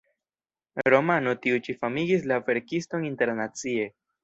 Romano tiu ĉi famigis la verkiston internacie.